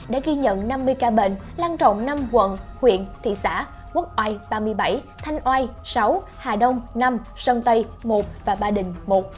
đã ghi nhận năm mươi ca bệnh lan rộng năm quận huyện thị xã quốc oai ba mươi bảy thanh oai sáu hà đông năm sơn tây một và ba đình một